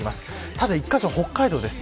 ただ１カ所、北海道です。